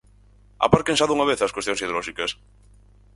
Aparquen xa dunha vez as cuestións ideolóxicas.